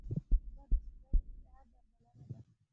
اوبه د ستړیا درملنه ده